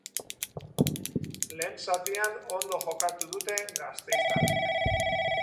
Lehen zatian ondo jokatu dute gasteiztarrek.